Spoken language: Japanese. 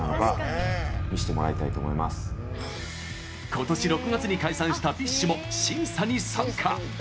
今年６月に解散したＢｉＳＨも審査に参加。